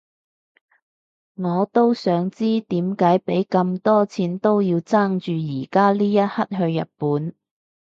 我都想知點解畀咁多錢都要爭住而家呢一刻去日本